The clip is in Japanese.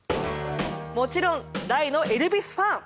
もちろん大のエルビスファン。